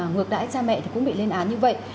ngược đãi cha mẹ thì cũng bị lên án như vậy